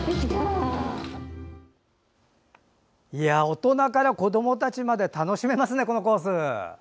大人から子どもたちまで楽しめますね、このコース。